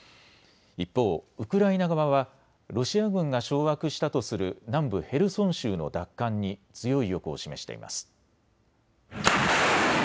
一方、ウクライナ側はロシア軍が掌握したとする南部ヘルソン州の奪還に強い意欲を示しています。